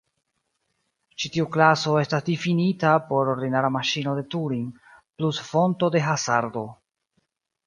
Ĉi tiu klaso estas difinita por ordinara maŝino de Turing plus fonto de hazardo.